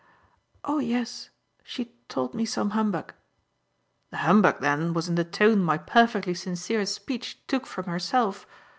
"Oh yes, she told me some humbug." "The humbug then was in the tone my perfectly sincere speech took from herself.